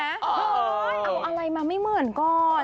เอาอะไรมาไม่เหมือนก่อน